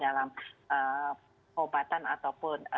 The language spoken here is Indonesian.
dalam obatan ataupun